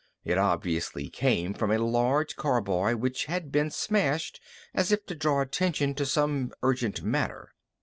It obviously came from a large carboy which had been smashed as if to draw attention to some urgent matter.